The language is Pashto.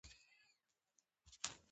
اقتصادي وده کولای شي چې ستونزې هوارې کړي.